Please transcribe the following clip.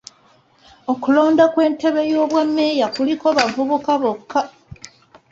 Okulonda kw'entebbe y'obwa meeya kuliko bavubuka bokka.